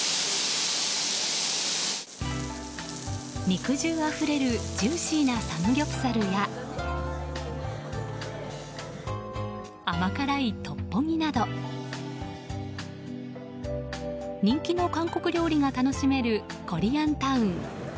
肉汁あふれるジューシーなサムギョプサルや甘辛いトッポギなど人気の韓国料理が楽しめるコリアンタウン